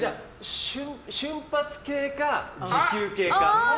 瞬発系か、持久系か。